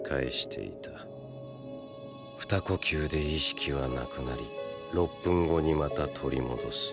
二呼吸で意識は無くなり６分後にまた取り戻す。